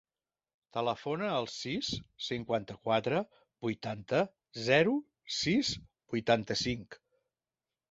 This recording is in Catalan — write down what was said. Telefona al sis, cinquanta-quatre, vuitanta, zero, sis, vuitanta-cinc.